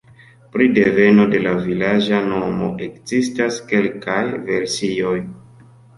Pri deveno de la vilaĝa nomo ekzistas kelkaj versioj.